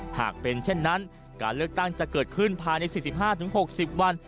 หากเป็นเช่นนั้นการเลือกตั้งจะเกิดขึ้นภายใน๔๕๖๐วัน